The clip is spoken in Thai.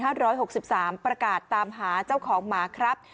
ห้าร้อยหกสิบสามประกาศตามหาเจ้าของหมาครับ